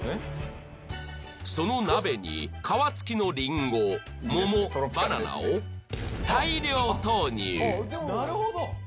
その鍋に皮つきのリンゴモモバナナを大量投入！